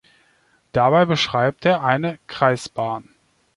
Dabei beschreibt er eine Kreisbahn.